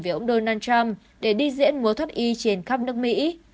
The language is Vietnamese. với ông donald trump để đi diễn múa thuất y trên khắp nước mỹ